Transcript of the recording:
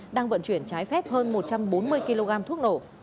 đang vận chuyển trái phép hơn một trăm bốn mươi kg thuốc nổ